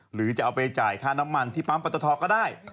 หรือจะเอาไปจ่ายค่าน้ำมันที่ปั๊มปตทก็ได้